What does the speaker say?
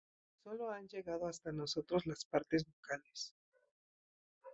Sólo han llegado hasta nosotros las partes vocales.